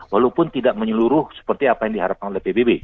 walaupun tidak menyeluruh seperti apa yang diharapkan oleh pbb